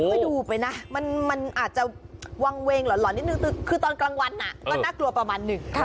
ไปดูไปนะมันอาจจะวางเวงหล่อนนิดนึงคือตอนกลางวันก็น่ากลัวประมาณหนึ่ง